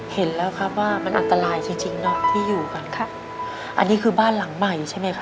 เห็นแล้วครับว่ามันอันตรายจริงจริงเนอะที่อยู่กันค่ะอันนี้คือบ้านหลังใหม่ใช่ไหมคะ